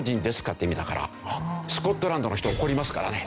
って意味だからスコットランドの人怒りますからね。